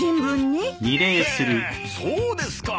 へぇそうですか！